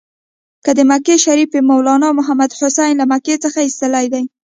چې د مکې شریف مولنا محمودحسن له مکې څخه ایستلی دی.